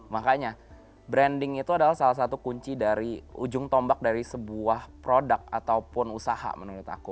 makanya branding itu adalah salah satu kunci dari ujung tombak dari sebuah produk ataupun usaha menurut aku